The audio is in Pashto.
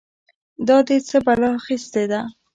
دا دې څه بلا اخيستې ده؟!